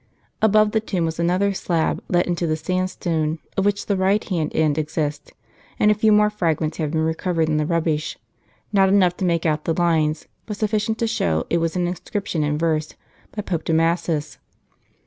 Above the tomb was another slab let into the sand stone, of which the right hand end exists, and a few more fragments have been recovered in the rubbish ; not enough to make out the lines, but sufficient to show it was an inscription in verse, by Pope Damasus.